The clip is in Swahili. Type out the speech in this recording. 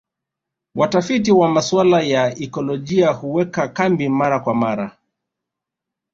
Watafiti wa masuala ya ekolojia huweka kambi mara kwa mara